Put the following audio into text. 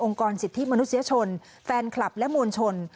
กรสิทธิมนุษยชนแฟนคลับและมวลชน